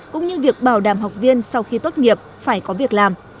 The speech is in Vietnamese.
cũng như việc bảo đảm học viên sau khi tốt nghiệp phải có việc làm